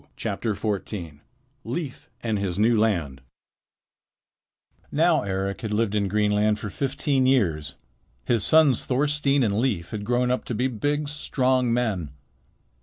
Leif and His New Land Now Eric had lived in Greenland for fifteen years. His sons Thorstein and Leif had grown up to be big, strong men.